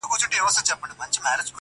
ته د انصاف تمه لا څنګه لرې؟!!